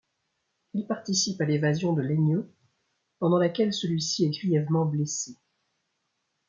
Il participe à l'évasion de Laigneau, pendant laquelle celui-ci est grièvement blessé.